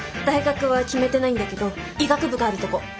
大学は決めてないんだけど医学部があるとこ。